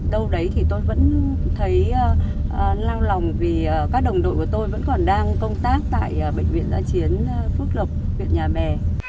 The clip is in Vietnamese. đâu đấy thì tôi vẫn thấy lang lòng vì các đồng đội của tôi vẫn còn đang công tác tại bệnh viện gia chiến phước lộc viện nhà mè